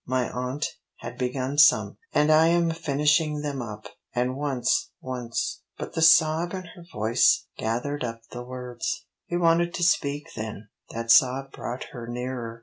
My aunt had begun some, and I am finishing them up. And once once " but the sob in her voice gathered up the words. He wanted to speak then; that sob brought her nearer.